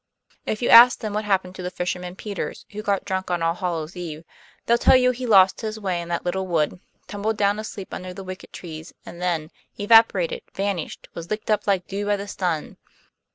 If you ask them what happened to the fisherman Peters, who got drunk on All Hallows Eve, they'll tell you he lost his way in that little wood, tumbled down asleep under the wicked trees, and then evaporated, vanished, was licked up like dew by the sun.